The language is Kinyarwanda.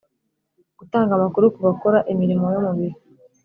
Gutanga amakuru ku bakora imirimo yo mu biro